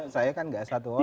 saya kan nggak satu orang